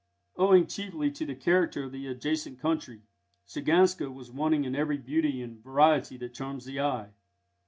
Owing chiefly to the character of the adjacent country, Shiganska was wanting in every beauty and variety that charms the eye.